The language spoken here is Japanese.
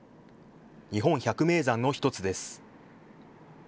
日本百名山の１つです。